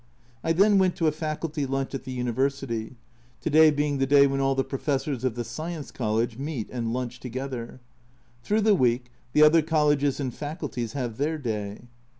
I then went to a Faculty lunch at the University to day being the day when all the professors of the Science College meet and lunch together. Through the week the other colleges and faculties have their day.